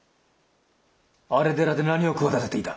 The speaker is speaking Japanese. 荒れ寺で何を企てていた？